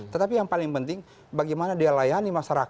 tetapi yang paling penting bagaimana dia layani masyarakat